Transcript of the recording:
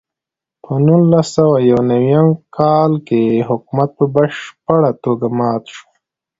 په نولس سوه یو نوي کال کې حکومت په بشپړه توګه مات شو.